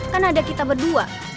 kan ada kita berdua